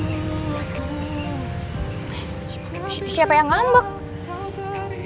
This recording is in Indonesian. lagian kamu mendingan di dalam aja tuh sama francisca